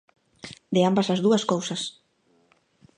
De ambas as dúas cousas.